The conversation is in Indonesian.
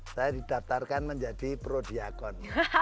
saya didaftarkan menjadi prodiakon